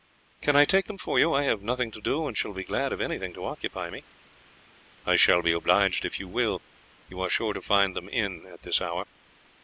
"Can I take them for you? I have nothing to do, and shall be glad of anything to occupy me." "I shall be obliged if you will; you are sure to find them in at this hour."